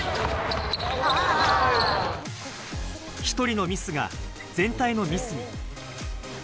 １人のミスが全体のミスに。